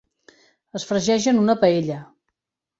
Es fregeix en una paella.